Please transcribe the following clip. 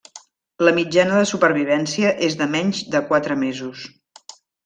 La mitjana de supervivència és de menys de quatre mesos.